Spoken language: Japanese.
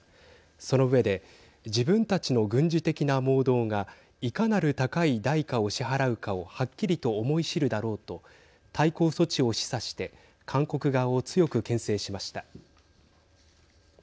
その上で自分たちの軍事的な妄動がいかなる高い代価を支払うかをはっきりと思い知るだろうと対抗措置を示唆して韓国側を強くけん制しました。